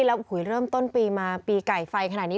แล้วเริ่มต้นปีมาปีไก่ไฟขนาดนี้